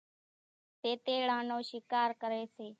تيتيڙان نو شِڪار ڪريَ سي۔